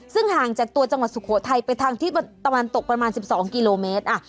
ซึ่งห่างจากตัวจังหวัดสุโขทัยไปทางที่ตะวันตกประมาณ๑๒กิโลเมตร